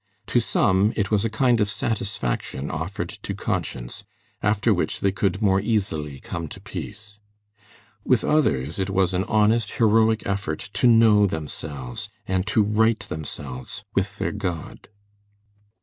To some it was a kind of satisfaction offered to conscience, after which they could more easily come to peace. With others it was an honest, heroic effort to know themselves and to right themselves with their God.